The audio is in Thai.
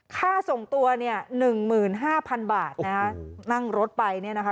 ค่าส่งตัวเนี่ยหนึ่งหมื่นห้าพันบาทนะคะนั่งรถไปเนี่ยนะคะ